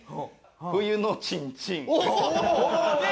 「冬のチンチン」ねえ！